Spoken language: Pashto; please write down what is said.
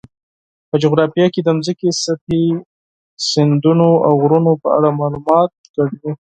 په جغرافیه کې د ځمکې سطحې، سمندرونو، او غرونو په اړه معلومات شامل دي.